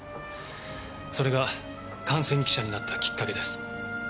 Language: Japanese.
それが観戦記者になったきっかけです。